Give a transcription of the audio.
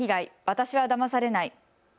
私はだまされない。